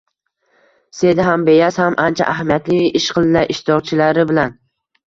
Seda ham, Beyaz ham ancha ahamiyatli ish qildilar ishtirokchilari bilan.